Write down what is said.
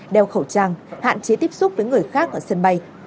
đeo khẩu trang hạn chế tiếp xúc với người khác ở sân bay